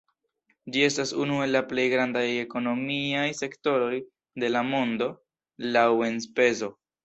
Ĝi estas unu el la plej grandaj ekonomiaj sektoroj de la mondo laŭ enspezo.